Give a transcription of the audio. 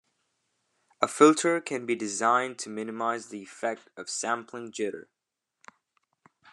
A filter can be designed to minimize the effect of sampling jitter.